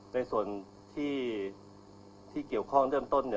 ในส่วนที่เกี่ยวข้องเริ่มต้น